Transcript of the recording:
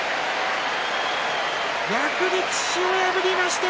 役力士を破りました。